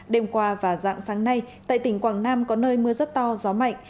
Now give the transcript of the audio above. đêm qua và dạng sáng nay tại tỉnh quảng nam có nơi mưa rất to gió mạnh